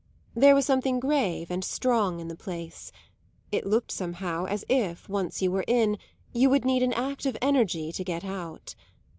There was something grave and strong in the place; it looked somehow as if, once you were in, you would need an act of energy to get out.